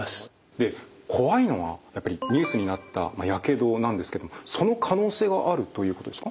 で怖いのはやっぱりニュースになったやけどなんですけどもその可能性があるということですか？